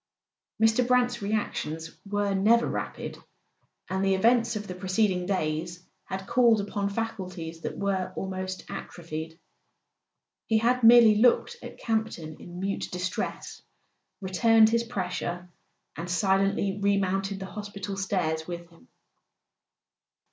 Mr. Brant's reactions were never rapid, and the events of the preceding days had called upon faculties that were almost atrophied. He had merely looked at Campton in mute distress, returned his pressure, and silently remounted the hospital stairs with him.